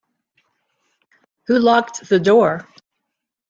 Who locked the door?